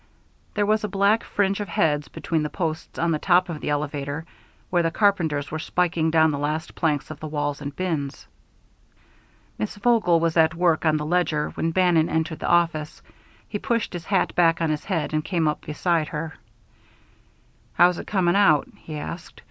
There was a black fringe of heads between the posts on the top of the elevator, where the carpenters were spiking down the last planks of the walls and bins. Miss Vogel was at work on the ledger when Bannon entered the office. He pushed his hat back on his head and came up beside her. "How's it coming out?" he asked.